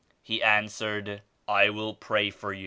^'* He answered "I will pray for